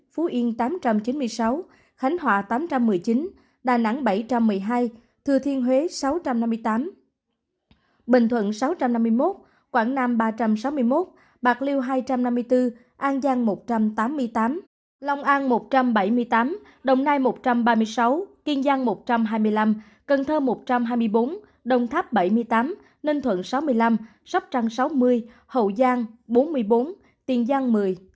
phú yên tám trăm chín mươi sáu khánh họa tám trăm một mươi chín đà nẵng bảy trăm một mươi hai thừa thiên huế sáu trăm năm mươi tám bình thuận sáu trăm năm mươi một quảng nam ba trăm sáu mươi một bạc liêu hai trăm năm mươi bốn an giang một trăm tám mươi tám lòng an một trăm bảy mươi tám đồng nai một trăm ba mươi sáu kiên giang một trăm hai mươi năm cần thơ một trăm hai mươi bốn đồng tháp bảy mươi tám ninh thuận sáu mươi năm sóc trăng sáu mươi hậu giang bốn mươi bốn tiền giang một mươi